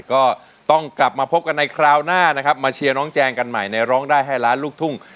ก็ต้องกลับมาพบกันในคราวหน้านะครับมาเชียร์น้องแจงกันใหม่ในร้องได้ให้ล้านลูกทุ่ง